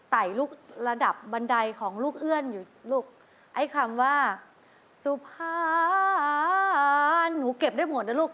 ไต่ลูกระดับบันไดของลูกเอื้อนอยู่ลูกไอ้คำว่าสุพรรณหนูเก็บได้หมดนะลูก